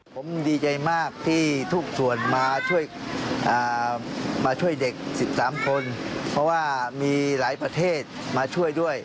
ผมดีใจมากที่ทุกส่วนมาช่วยมาช่วยเด็ก๑๓คนเพราะว่ามีหลายประเทศมาช่วยด้วย